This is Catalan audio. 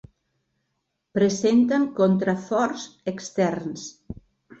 Presenten contraforts externs.